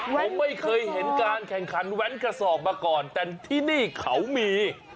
ผมไม่เคยเห็นการแข่งขันแว้นกระสอบมาก่อนแต่ที่นี่เขามี